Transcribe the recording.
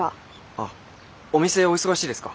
あお店お忙しいですか？